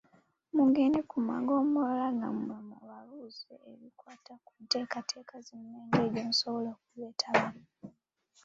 Mugende ku magombolola gammwe mubabuuze ebikwata ku nteekateeka zino n'engeri gyemusobola okuzeetabamu.